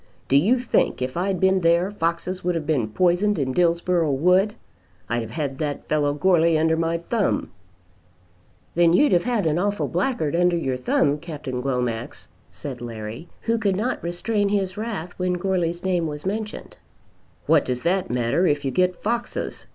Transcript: Do you think if I'd been there foxes would have been poisoned in Dillsborough wood? I'd have had that fellow Goarly under my thumb." "Then you'd have had an awful blackguard under your thumb, Captain Glomax," said Larry, who could not restrain his wrath when Goarly's name was mentioned. "What does that matter, if you get foxes?"